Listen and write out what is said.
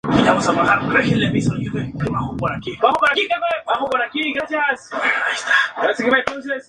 Volvieron a Francia a finales de agosto.